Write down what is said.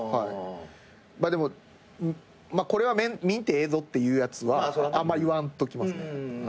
でもこれは見んてええぞっていうやつはあんま言わんときますね。